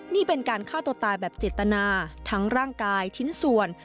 นี่เป็นการฆ่าตัวตายแบบเจตนาทั้งร่างกายชิ้นส่วน